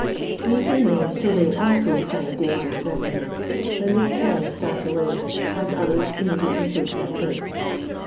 These remain till they also find danger threaten them, when they again start away, and others immediately take their place.